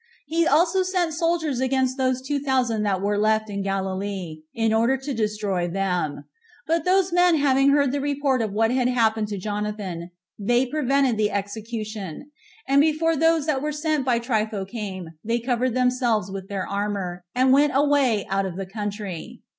He also sent soldiers against those two thousand that were left in Galilee, in order to destroy them; but those men having heard the report of what had happened to Jonathan, they prevented the execution; and before those that were sent by Trypho came, they covered themselves with their armor, and went away out of the country.